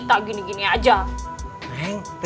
lalu aku bisa beli